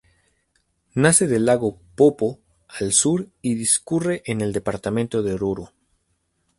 Nace del lago Poopó al sur y discurre en el departamento de Oruro.